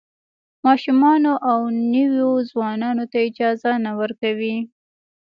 ماشومانو او نویو ځوانانو ته اجازه نه ورکوي.